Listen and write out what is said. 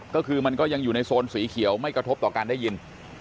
ก็คือมันก็ยังอยู่ในโซนสีเขียวไม่กระทบต่อการได้ยิน